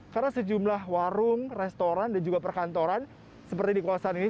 karena sejumlah warung restoran dan juga perkantoran seperti di kawasan ini